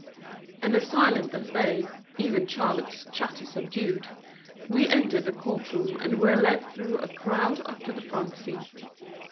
And as silent as they, even Charlotte's chatter subdued, we entered the court room and were led through a crowd up to the front seat.